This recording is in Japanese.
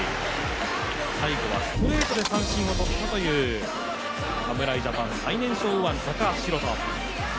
最後はストレートで三振を取ったという侍ジャパンの最年少右腕、高橋宏斗